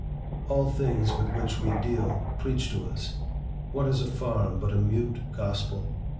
All things with which we deal, preach to us. What is a farm but a mute gospel?